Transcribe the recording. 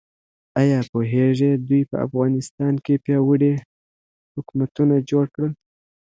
ایا پوهیږئ دوی په افغانستان کې پیاوړي حکومتونه جوړ کړل؟